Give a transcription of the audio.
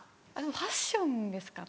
ファッションですかね